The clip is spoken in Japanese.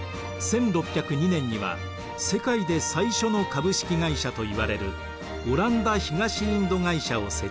１６０２年には世界で最初の株式会社といわれるオランダ東インド会社を設立。